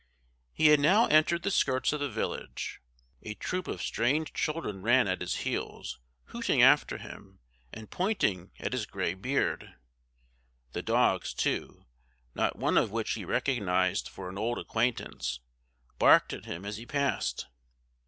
He had now entered the skirts of the village. A troop of strange children ran at his heels, hooting after him, and pointing at his gray beard. The dogs, too, not one of which he recognized for an old acquaintance, barked at him as he passed.